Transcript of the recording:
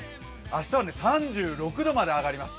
明日は３６度まで上がります。